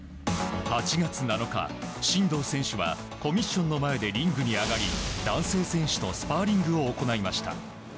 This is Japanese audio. ８月７日、真道選手はコミッションの前でリングに上がり、男性選手とスパーリングを行いました。